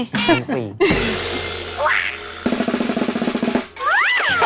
วันเชงเม้งก์ไม่มีผลเดียวหรอก